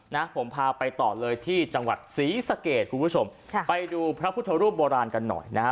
นะผมพาไปต่อเลยที่จังหวัดศรีสะเกดคุณผู้ชมค่ะไปดูพระพุทธรูปโบราณกันหน่อยนะฮะ